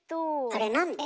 あれなんで？